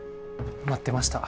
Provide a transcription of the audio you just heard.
待ってました。